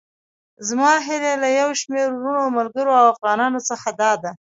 زما هيله له يو شمېر وروڼو، ملګرو او افغانانو څخه داده.